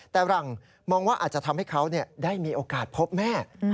แต่หลังมองว่าอาจจะทำให้เขาได้มีโอกาสพบแม่